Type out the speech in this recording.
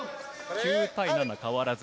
９対７、変わらず。